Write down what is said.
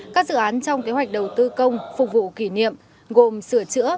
các dự án trong kế hoạch đầu tư công phục vụ kỷ niệm gồm sửa chữa